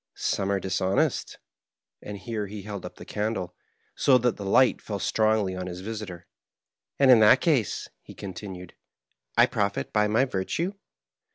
Some are dis honest," and here he held up the candle, so that the light fell strongly on his visitor, " and in that case," he con tinued, ^' I profit by my virtue."